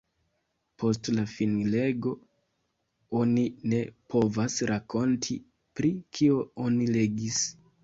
Post la finlego, oni ne povas rakonti, pri kio oni legis.